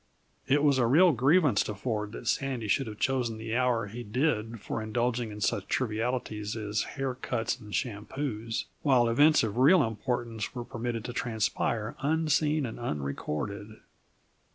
It was a real grievance to Ford that Sandy should have chosen the hour he did for indulging in such trivialities as hair cuts and shampoos, while events of real importance were permitted to transpire unseen and unrecorded.